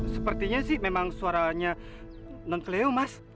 sepertinya sih memang suaranya non keleo mas